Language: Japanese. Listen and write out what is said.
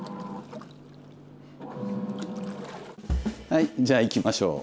はいじゃあいきましょう。